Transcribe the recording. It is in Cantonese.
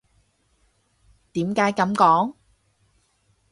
點解噉講？